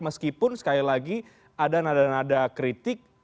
meskipun sekali lagi ada nada nada kritik